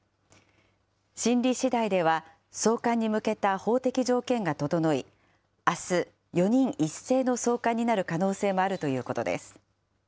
審理しだいでは、送還に向けた法的条件が整い、あす、４人一斉の送還になる可能性もあるということです。